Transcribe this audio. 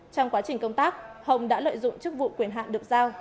trong quá trình công tác hồng đã lợi dụng chức vụ quyền hạn được giao